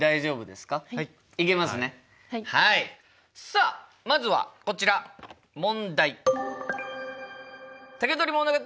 さあまずはこちら問題。